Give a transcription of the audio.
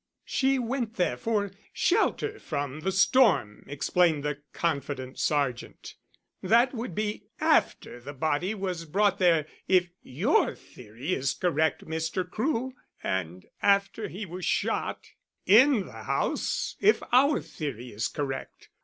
"She went there for shelter from the storm," explained the confident sergeant. "That would be after the body was brought there if your theory is correct, Mr. Crewe; and after he was shot in the house if our theory is correct.